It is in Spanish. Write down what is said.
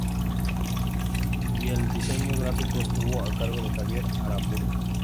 Y el diseño gráfico estuvo a cargo de Javier Aramburu.